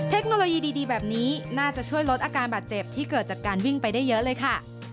เทคโนโลยีดีแบบนี้น่าจะช่วยลดอาการบาดเจ็บที่เกิดจากการวิ่งไปได้เยอะเลยค่ะ